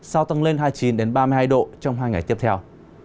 sau tăng lên hai mươi chín ba mươi hai độ trong hai ngày tiếp theo